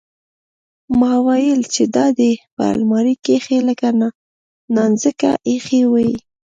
ما ويل چې دا دې په المارۍ کښې لکه نانځکه ايښې واى.